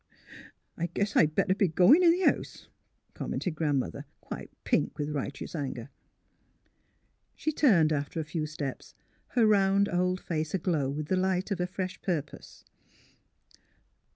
" I guess I'd better be goin' in th' house," com mented Grandmother, quite pink with righteous anger. She turned after a few steps, her round old face aglow with the light of a fresh purpose.